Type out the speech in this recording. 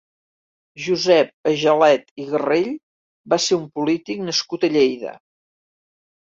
Josep Agelet i Garrell va ser un polític nascut a Lleida.